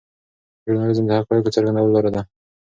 ژورنالیزم د حقایقو څرګندولو لاره ده.